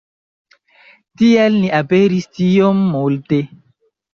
Tial ni aperis tiom multe.